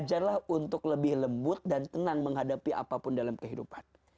janganlah untuk lebih lembut dan tenang menghadapi apapun dalam kehidupan